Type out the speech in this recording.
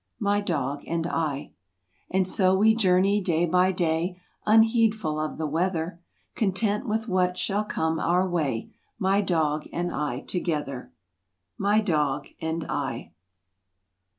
My dog and I. And so we journey day by day Unheedful of the weather, Content with what shall come our way My dog and I together— My dog and I.